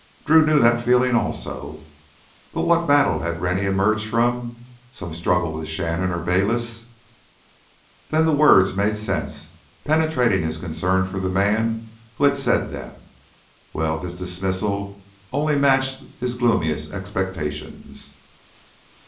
Drew knew that feeling also. But what battle had Rennie emerged from—some struggle with Shannon or Bayliss? Then the words made sense, penetrating his concern for the man who had said them. Well, this dismissal only matched his gloomiest expectations.